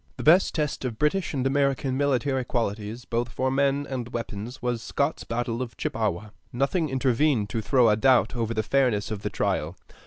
The best test of British and American military qualities, both for men and weapons, was Scott's battle of Chippawa. Nothing intervened to throw a doubt over the fairness of the trial.